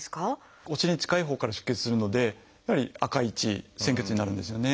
お尻に近いほうから出血するのでやはり赤い血鮮血になるんですよね。